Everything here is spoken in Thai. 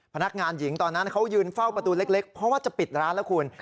พนักงานหญิงตอนนั้นเขายืนเฝ้าประตูเล็กเพราะว่าจะปิดร้านแล้วคุณ